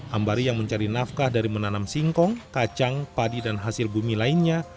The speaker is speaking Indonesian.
ambari yang mencari nafkah dari menanam singkong kacang padi dan hasil bumi lainnya